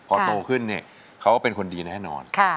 พอโตขึ้นเนี่ยเขาก็เป็นคนดีแน่นอน